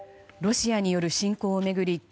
ロシアによる侵攻を巡り